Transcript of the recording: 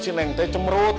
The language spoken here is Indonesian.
si neng teh cemerut